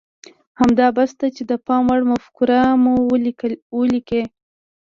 همدا بس ده چې د پام وړ مفکوره مو وليکئ.